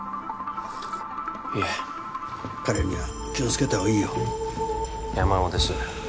いえ彼には気をつけた方がいいよ山尾です